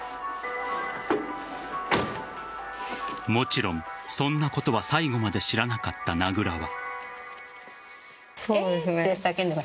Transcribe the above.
もちろん、そんなことは最後まで知らなかった名倉は。